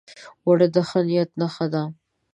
اوړه د ښه نیت نښه ده